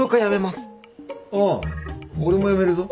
ああ俺も辞めるぞ。